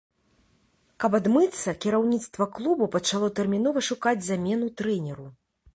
Каб адмыцца, кіраўніцтва клубу пачало тэрмінова шукаць замену трэнеру.